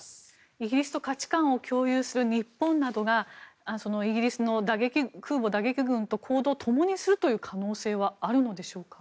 イギリスと価値観を共有する日本などがイギリスの空母打撃群と行動を共にする可能性はあるのでしょうか？